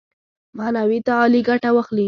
معنوي تعالي ګټه واخلي.